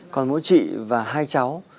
còn mỗi chị và hai cháu